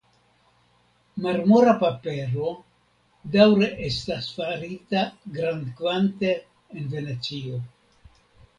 Marmora papero daŭre estas farita grandkvante en Venecio.